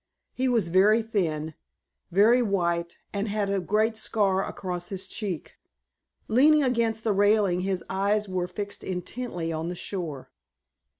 He was very thin, very white, and had a great scar across his cheek. Leaning against the railing his eyes were fixed intently on the shore.